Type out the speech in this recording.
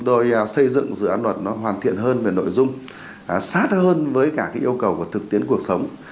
rồi xây dựng dự án luật nó hoàn thiện hơn về nội dung sát hơn với cả yêu cầu thực tiễn cuộc sống